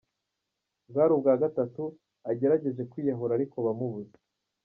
Bwari ubwa gatatu agererageje kwiyahura ariko bamubuza.